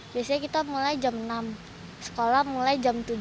biasanya kita mulai jam enam sekolah mulai jam tujuh